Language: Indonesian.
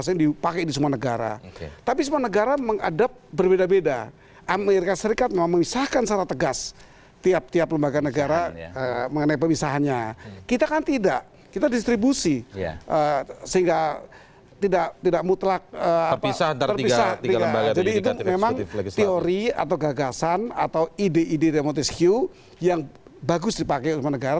jadi itu memang teori atau gagasan atau ide ide demotis q yang bagus dipakai oleh negara